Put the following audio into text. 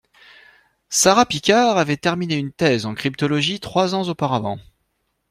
Sara Picard avait terminé une thèse en cryptologie trois ans auparavant